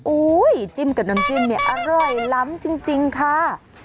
อุ๋ยจิ้มกับนมจิ้มอร่อยล้ำจริงชา